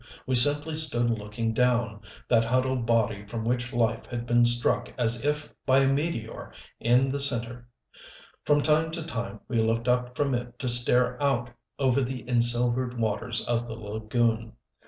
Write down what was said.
We simply stood looking down, that huddled body from which life had been struck as if by a meteor, in the center. From time to time we looked up from it to stare out over the ensilvered waters of the lagoon.